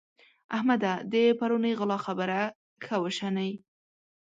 احمده! د پرونۍ غلا خبره ښه وشنئ.